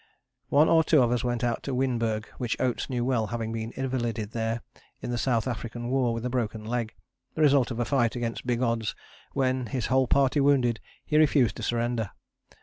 One or two of us went out to Wynberg, which Oates knew well, having been invalided there in the South African War with a broken leg, the result of a fight against big odds when, his whole party wounded, he refused to surrender.